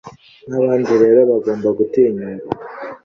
n’abandi rero bagomba gutinyuka